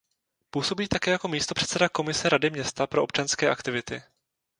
Působí také jako místopředseda Komise rady města pro občanské aktivity.